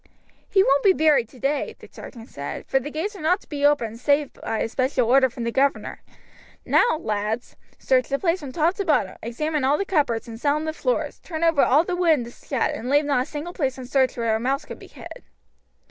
"He won't be buried today," the sergeant said; "for the gates are not to be opened save by a special order from the governor. Now, lads," he went on, turning to the men, "search the place from top to bottom, examine all the cupboards and sound the floors, turn over all the wood in the shed, and leave not a single place unsearched where a mouse could be hid."